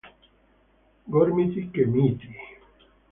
Gormiti che miti!